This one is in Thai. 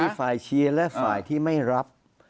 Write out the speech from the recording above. ฝ่ายเชียร์และฝ่ายที่ไม่รับ